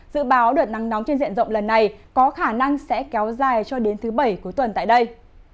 dự báo đợt nắng nóng trên diện rộng lần này có khả năng sẽ kéo dài cho đến thứ bảy cuối tuần tại đây